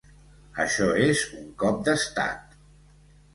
Això és un cop d’estat!